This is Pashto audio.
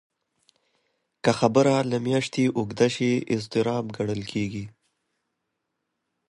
که خبره له میاشتې اوږده شي، اضطراب ګڼل کېږي.